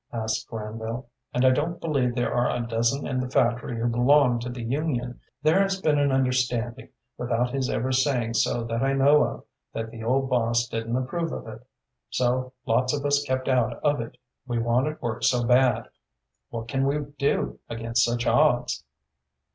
asked Granville. "And I don't believe there are a dozen in the factory who belong to the union. There has been an understanding, without his ever saying so that I know of, that the old boss didn't approve of it. So lots of us kept out of it, we wanted work so bad. What can we do against such odds?"